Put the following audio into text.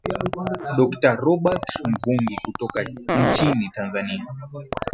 dokta robert mvungi kutoka nchini tanzania